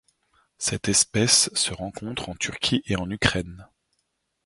Cette espèce se rencontre en Turquie et en Ukraine.